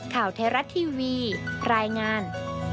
ข่าวเทราะทีวีรายงาน